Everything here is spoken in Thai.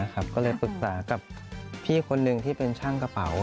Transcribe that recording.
ก็เลยปรึกษากับพี่คนหนึ่งที่เป็นช่างกระเป๋า